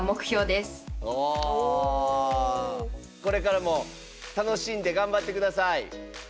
これからも楽しんで頑張って下さい。